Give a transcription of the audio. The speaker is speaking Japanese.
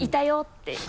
って。